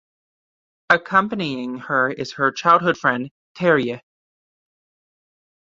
Accompanying her is her childhood friend Terje.